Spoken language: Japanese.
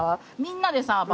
みんなでさ。